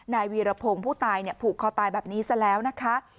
นายวีรพงศ์ผู้ตายผูกคอตายแบบนี้ซะแล้วนะคะ